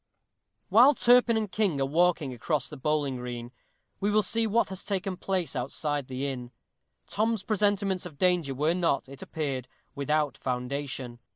_ While Turpin and King are walking across the bowling green, we will see what has taken place outside the inn. Tom's presentiments of danger were not, it appeared, without foundation.